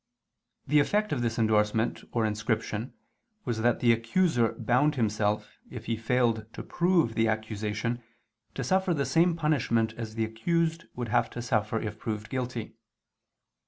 The effect of this endorsement or inscription was that the accuser bound himself, if he failed to prove the accusation, to suffer the same punishment as the accused would have to suffer if proved guilty.